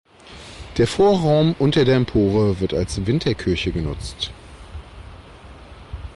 Der Vorraum unter der Empore wird als Winterkirche genutzt.